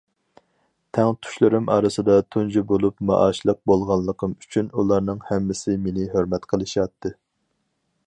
تەڭتۇشلىرىم ئارىسىدا تۇنجى بولۇپ مائاشلىق بولغانلىقىم ئۈچۈن ئۇلارنىڭ ھەممىسى مېنى ھۆرمەت قىلىشاتتى.